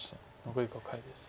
残り５回です。